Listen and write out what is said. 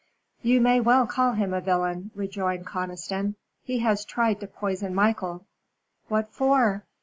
"You may well call him a villain," rejoined Conniston; "he has tried to poison Michael." "What for?"